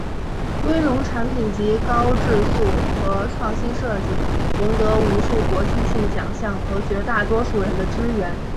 威龙产品籍高质素和创新设计赢得无数国际性奖项和绝大多数人的支援。